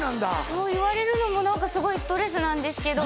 そう言われるのも何かすごいストレスなんですけど。